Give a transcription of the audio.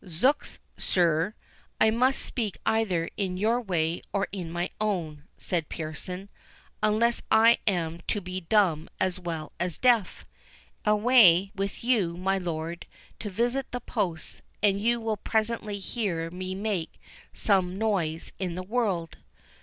"Zooks, sir, I must speak either in your way, or in my own," said Pearson, "unless I am to be dumb as well as deaf!—Away with you, my lord, to visit the posts; and you will presently hear me make some noise in the world."